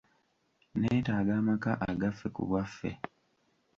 Neetaaga amaka agaffe ku bwaffe.